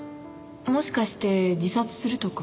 もしかして自殺するとか？